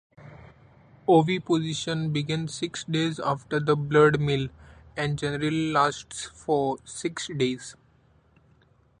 Oviposition begins six days after the blood meal and generally lasts for six days.